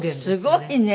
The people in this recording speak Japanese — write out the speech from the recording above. すごいね。